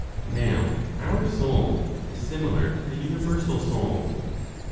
Now our soul is similar to the universal Soul.